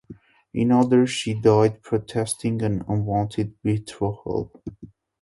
In others, she died protesting an unwanted betrothal.